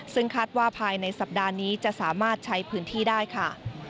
ซึ่งคาดว่าภายในสัปดาห์นี้จะสามารถใช้พื้นที่ได้ค่ะ